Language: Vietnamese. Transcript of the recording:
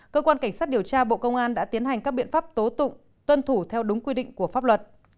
cơ quan cảnh sát điều tra bộ công an đã tiến hành các biện pháp tố tụng tuân thủ theo đúng quy định của pháp luật